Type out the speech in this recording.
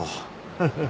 フフフ。